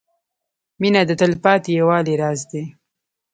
• مینه د تلپاتې یووالي راز دی.